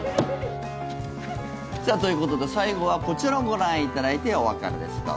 さあ、ということで最後はこちらをご覧いただいてお別れです。